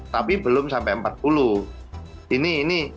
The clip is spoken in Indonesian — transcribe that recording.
tapi belum sampai empat puluh ini